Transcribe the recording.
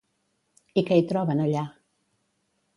I què hi troben allà?